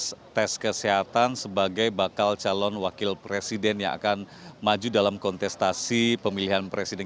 proses tes kesehatan sebagai bakal calon wakil presiden yang akan maju dalam kontestasi pemilihan presiden